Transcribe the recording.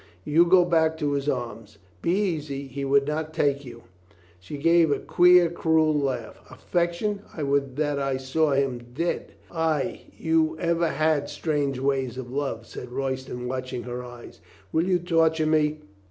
You'd go back to his arms? Be easy. He would not take you !" She gave a queer, cruel laugh. "Affection? I would that I saw him dead." "Ay, you ever had strange ways of love," said Royston, watching her eyes. "Will you torture me?"